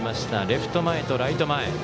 レフト前とライト前。